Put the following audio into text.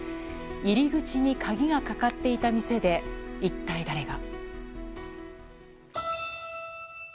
入り口に鍵がかかっていた店で一体、誰が。